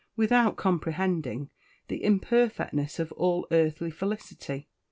She felt, too, without comprehending, the imperfectness of all earthly felicity.